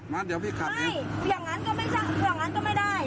งั้นเดี๋ยวพี่ขับใช่อย่างนั้นก็ไม่สั่งอย่างนั้นก็ไม่ได้